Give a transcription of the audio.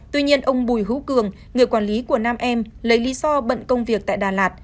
tuy nhiên ông bùi hữu cường người quản lý của nam em lấy lý do bận công việc tại đà lạt